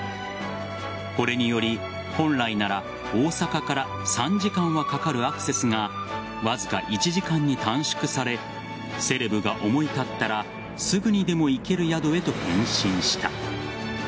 これにより、本来なら大阪から３時間はかかるアクセスがわずか１時間に短縮されセレブが思い立ったらすぐにでも行ける宿へと変身した。